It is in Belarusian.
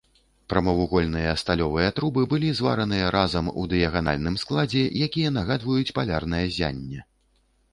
Прамавугольныя сталёвыя трубы былі звараныя разам у дыяганальным складзе, якія нагадваюць палярнае ззянне.